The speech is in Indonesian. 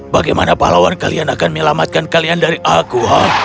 bagaimana pahlawan kalian akan menyelamatkan kalian dari aku